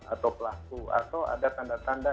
atau pelaku atau ada tanda tanda